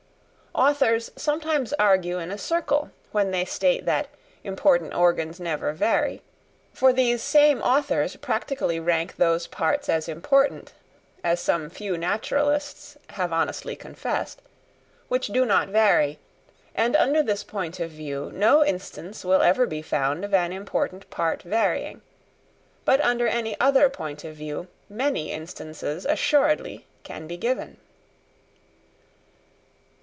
Authors sometimes argue in a circle when they state that important organs never vary; for these same authors practically rank those parts as important (as some few naturalists have honestly confessed) which do not vary; and, under this point of view, no instance will ever be found of an important part varying; but under any other point of view many instances assuredly can be given.